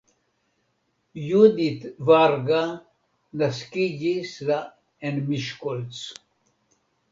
Judit Varga naskiĝis la en Miskolc.